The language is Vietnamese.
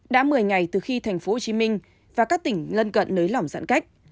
đã một mươi ngày từ khi tp hcm và các tỉnh gần gần nới lỏng giãn cách